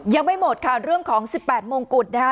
ยังไม่หมดค่ะเรื่องของ๑๘มงกุฎนะคะ